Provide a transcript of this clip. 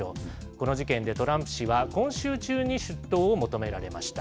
この事件でトランプ氏は、今週中に出頭を求められました。